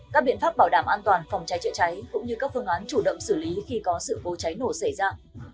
các biện pháp bảo đảm an toàn phòng cháy chữa cháy cũng như các phương án chủ động xử lý khi có sự cố cháy nổ xảy ra